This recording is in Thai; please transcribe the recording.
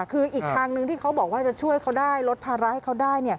คืออีกทางหนึ่งที่เขาบอกว่าจะช่วยเขาได้ลดภาระให้เขาได้